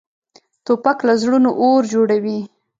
توپک له زړونو اور جوړوي.